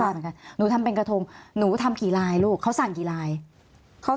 เหมือนกันหนูทำเป็นกระทงหนูทำกี่ลายลูกเขาสั่งกี่ลายเขา